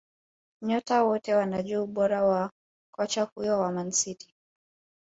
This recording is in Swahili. Nyota wote wanajua ubora wa kocha huyo wa Man City